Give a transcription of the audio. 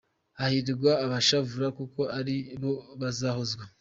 Hahirwa abashavura, Kuko ari bo bazahozwa.